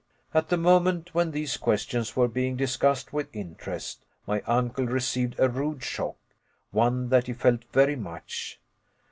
At the moment when these questions were being discussed with interest, my uncle received a rude shock one that he felt very much.